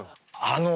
あの。